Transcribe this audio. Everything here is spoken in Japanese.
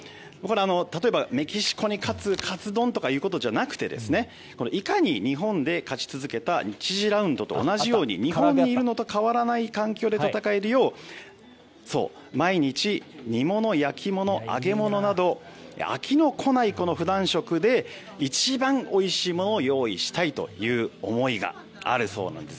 例えばメキシコに勝つカツ丼ということじゃなくていかに日本で勝ち続けた１次ラウンドと同じように日本にいるのと変わらない環境で戦えるよう毎日煮物、焼き物、揚げ物など飽きの来ない普段食で一番おいしいものを用意したいという思いがあるそうなんです。